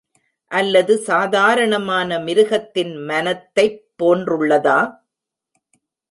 அல்லது சாதாரணமான மிருகத்தின் மனத்தைப் போன்றுளதா?